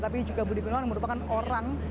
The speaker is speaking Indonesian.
tapi juga budi gunawan yang merupakan orang